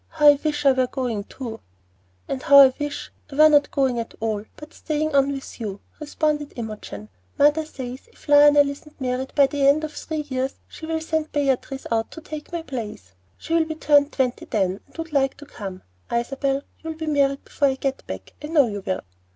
"How I wish I were going too." "And how I wish I were not going at all, but staying on with you," responded Imogen. "Mother says if Lionel isn't married by the end of three years she'll send Beatrice out to take my place. She'll be turned twenty then, and would like to come. Isabel, you'll be married before I get back, I know you will."